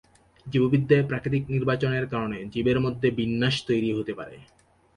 জীববিদ্যায় প্রাকৃতিক নির্বাচনের কারণে জীবের মধ্যে বিন্যাস তৈরি হতে পারে।